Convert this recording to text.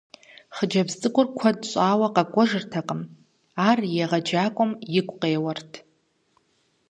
Хъыджэбз цӀыкӀур куэд щӏауэ къэкӀуэжыртэкъыми, ар и егъэджакӀуэм игу къеуэрт.